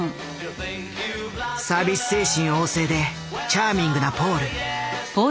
サービス精神旺盛でチャーミングなポール。